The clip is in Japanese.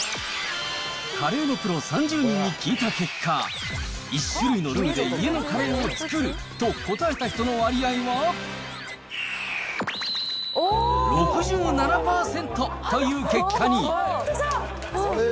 カレーのプロ３０人に聞いた結果、１種類のルーで家のカレーを作ると答えた人の割合は６７％という結果に。